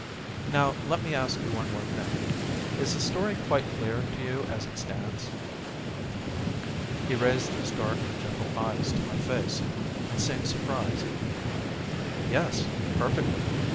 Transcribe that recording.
"Now let me ask you one more thing: is the story quite clear to you as it stands?" He raised his dark, gentle eyes to my face and seemed surprised. "Yes! Perfectly."